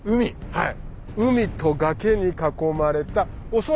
はい。